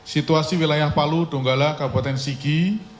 situasi wilayah palu donggala kabupaten sigi